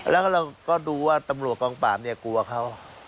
แล้วเราก็ดูว่าตำรวจกองปากกลัวเขา